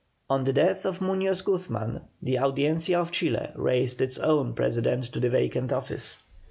On the death of Muñoz Guzman, the Audiencia of Chile raised its own President to the vacant office.